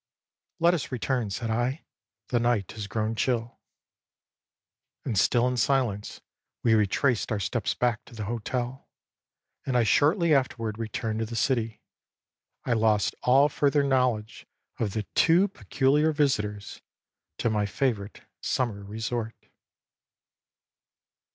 âLet us return,â said I, âthe night has grown chill.â And still in silence, we retraced our steps back to the hotel, and I shortly afterward returned to the city. I lost all further knowledge of the two peculiar visitors to my favorite summer resort.